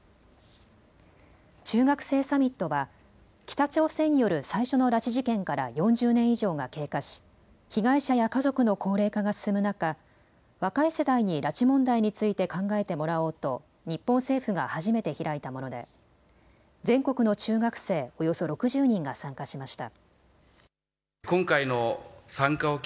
中学生サミットは北朝鮮による最初の拉致事件から４０年以上が経過し被害者や家族の高齢化が進む中、若い世代に拉致問題について考えてもらおうと日本政府が初めて開いたもので全国の中学生およそ６０人が参加しました。